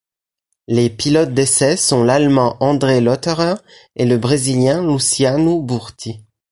Les pilotes d'essais sont l'Allemand André Lotterer et le Brésilien Luciano Burti.